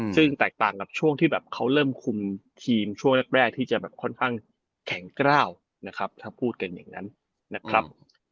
ซึ่งแตกต่างกับช่วงที่แบบเขาเริ่มคุมทีมช่วงแรกที่จะแบบค่อนข้างแข็งกล้าวนะครับถ้าพูดกันอย่างนั้นนะครับ